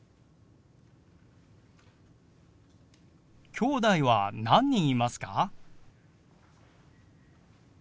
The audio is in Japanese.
きょうだいは何人いますか？